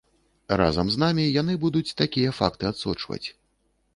Разам з намі яны будуць такія факты адсочваць.